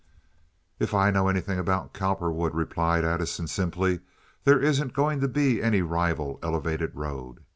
"If I know anything about Cowperwood," replied Addison, simply, "there isn't going to be any rival elevated road.